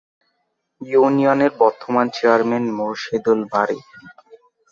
ইউনিয়নের বর্তমান চেয়ারম্যান মোরশেদুল বারী